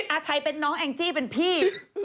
อาชัยเป็นน้องแองจี้เป็นพี่